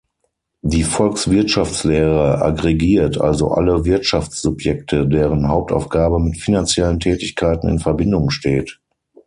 Die Volkswirtschaftslehre aggregiert also alle Wirtschaftssubjekte, deren Hauptaufgabe mit finanziellen Tätigkeiten in Verbindung steht.